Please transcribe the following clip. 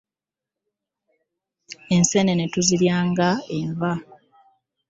Ensenene tuzirya nga enva.